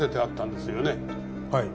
はい。